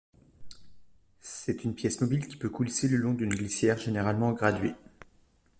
C'est une pièce mobile qui peut coulisser le long d’une glissière généralement graduée.